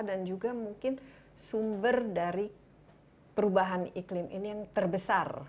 dan juga mungkin sumber dari perubahan iklim ini yang terbesar